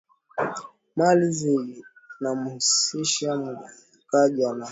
mali zinahamishika mwekezaji anaweza kuziuza kabla ya mnada